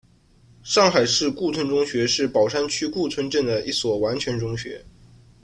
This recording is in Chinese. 上海市顾村中学是宝山区顾村镇的一所完全中学。